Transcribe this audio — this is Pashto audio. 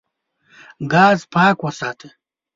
ګاز پاک وساته.